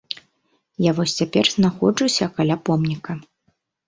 Я вось цяпер знаходжуся каля помніка.